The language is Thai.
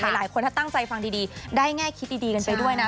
หลายคนถ้าตั้งใจฟังดีได้แง่คิดดีกันไปด้วยนะ